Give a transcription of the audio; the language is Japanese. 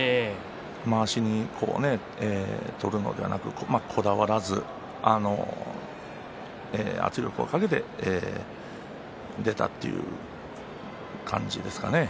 まわし取るのではなくこだわらず圧力をかけて出たという感じですかね。